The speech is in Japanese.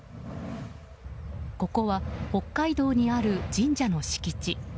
ここは北海道にある神社の敷地。